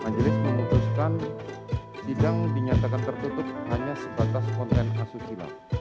majelis memutuskan sidang dinyatakan tertutup hanya sebatas konten asusila